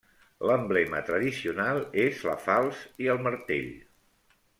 L'emblema tradicional és la falç i el martell.